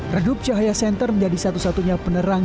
redup cahaya center menjadi satu satunya penerang